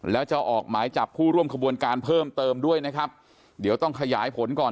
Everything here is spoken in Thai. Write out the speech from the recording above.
แล้วจะออกหมายจับผู้ร่วมขบวนการเพิ่มเติมด้วยนะครับเดี๋ยวต้องขยายผลก่อน